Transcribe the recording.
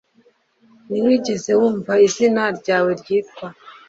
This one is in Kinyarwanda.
Ntiwigeze wumva izina ryawe ryitwa